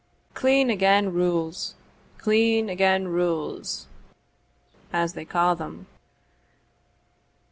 Clean again rules clean again rules, as they ca' them."